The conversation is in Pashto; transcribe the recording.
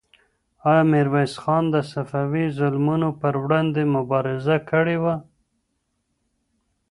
آیا میرویس خان د صفوي ظلمونو پر وړاندې مبارزه کړې وه؟